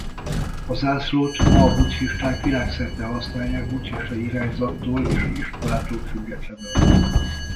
A zászlót ma a buddhisták világszerte használják buddhista irányzattól és iskolától függetlenül.